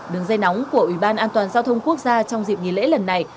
đường dây nóng của ủy ban an toàn giao thông quốc gia trong dịp nghỉ lễ lần này